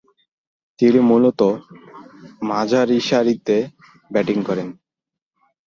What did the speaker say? তিনি মূলতঃ মাঝারিসারিতে ব্যাটিং করতেন।